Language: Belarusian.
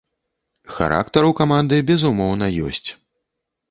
Характар у каманды, безумоўна, ёсць.